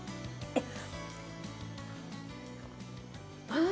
えっ？